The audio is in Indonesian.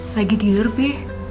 lagi tidur pi